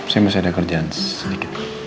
saya masih ada kerjaan sedikit